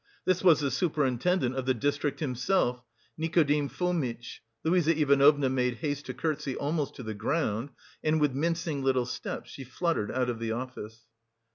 This was the superintendent of the district himself, Nikodim Fomitch. Luise Ivanovna made haste to curtsy almost to the ground, and with mincing little steps, she fluttered out of the office.